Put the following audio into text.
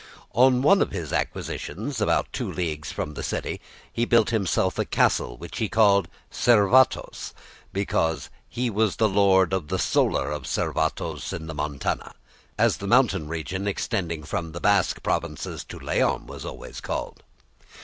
On one of his acquisitions, about two leagues from the city, he built himself a castle which he called Cervatos, because "he was lord of the solar of Cervatos in the Montana," as the mountain region extending from the Basque Provinces to Leon was always called.